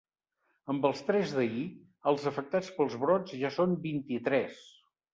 Amb els tres d’ahir, els afectats pels brots ja són vint-i-tres.